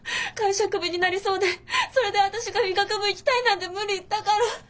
会社クビになりそうでそれで私が医学部行きたいなんて無理言ったから。